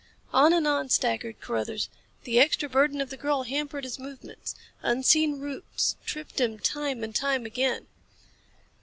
On and on staggered Carruthers. The extra burden of the girl hampered his movements. Unseen roots tripped him time and time again.